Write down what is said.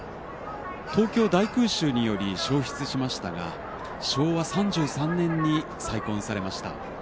東京大空襲により焼失しましたが昭和３３年に再建されました。